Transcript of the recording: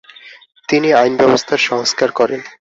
তিনি আইন ব্যবস্থার সংস্কার করেন।